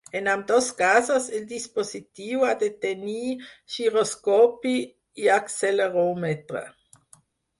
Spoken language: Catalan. En ambdós casos el dispositiu ha de tenir giroscopi i acceleròmetre.